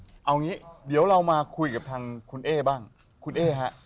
เอางี้เดี๋ยวเรามาคุยกับทางคุณเอ๊บ้างคุณเอ๊ฮะ